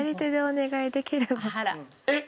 えっ！